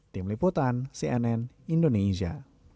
tim liputan cnn indonesia